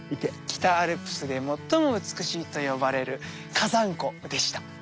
北アルプスで最も美しいと呼ばれる火山湖でした。